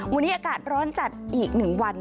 วันนี้อากาศร้อนจัดอีก๑วัน